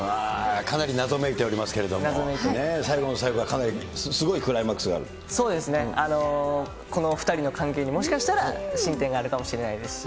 かなり謎めいておりますけれども、最後の最後はかなりすごいそうですね、この２人の関係にもしかしたら進展があるかもしれないですし。